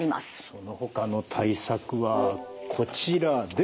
そのほかの対策はこちらです。